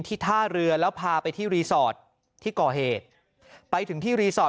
ท่าเรือแล้วพาไปที่รีสอร์ทที่ก่อเหตุไปถึงที่รีสอร์ท